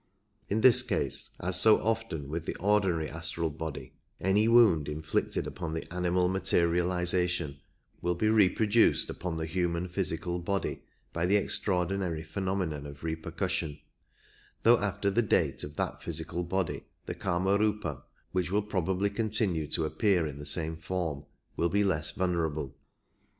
In this case, as so often with the ordinary astral body, any wound inflicted upon the animal materialization will be reproduced upon the human physical body by the extiaordinary phenomenon of repercussion; though after the death of that physical body the Kimari^pa, which will probably continue to 44 appear in the same form, will be less vulnerable.